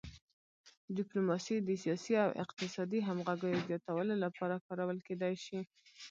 ډیپلوماسي د سیاسي او اقتصادي همغږۍ زیاتولو لپاره کارول کیدی شي